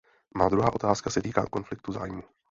Má druhá otázka se týká konfliktu zájmů.